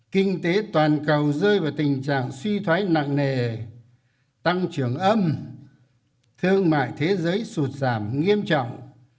kinh tế toàn cầu rơi vào tình trạng suy thoái nặng nề tăng trưởng âm thương mại thế giới sụt giảm nghiêm trọng